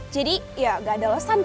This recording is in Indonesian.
jadi ya gak ada lesan kok